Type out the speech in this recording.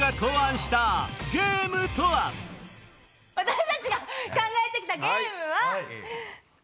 私たちが考えて来たゲームは。